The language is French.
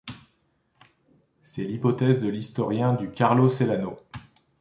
C'est l'hypothèse de l'historien du Carlo Celano.